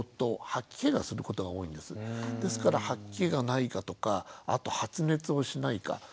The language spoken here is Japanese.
ですから吐き気がないかとかあと発熱をしないか。